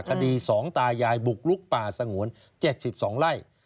คดี๒ตายายบุกลุกป่าสงวน๗๒ไร่